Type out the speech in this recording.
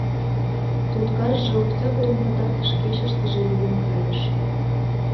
Туткарже октябрьын пытартыш кечыштыже лийын кайыш.